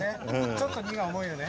ちょっと荷が重いよね。